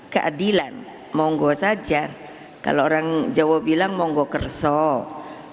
kalau orang jawa bilang mau gak kersok